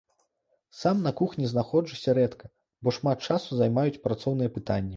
Сам на кухні знаходжуся рэдка, бо шмат часу займаюць працоўныя пытанні.